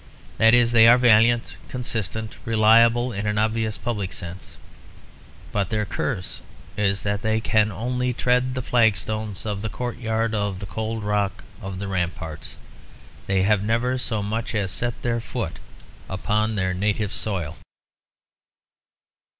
That is, they are valiant, consistent, reliable in an obvious public sense; but their curse is that they can only tread the flagstones of the court yard or the cold rock of the ramparts; they have never so much as set their foot upon their native soil.